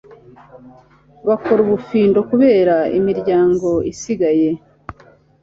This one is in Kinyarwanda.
bakora ubufindo kubera imiryango isigaye